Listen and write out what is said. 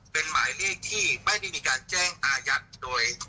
เป็นหมายเลขที่ไม่ได้มีการแจ้งอายัดโดย